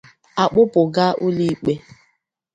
a kpụpụ ga ụlọ ikpe